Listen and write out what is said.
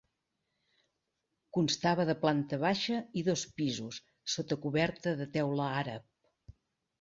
Constava de planta baixa i dos pisos, sota coberta de teula àrab.